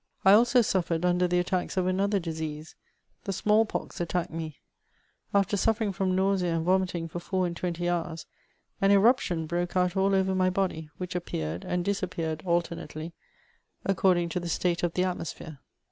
I also suffered under the attacks of another disease : the small pox attacked me: after suffering from nausea and vomiting for four and twenty hours, an eruption broke out all over my body, which appeared and disappeared alternately, according to the state of the atmosphere.